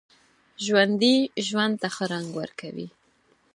ژوندي ژوند ته ښه رنګ ورکوي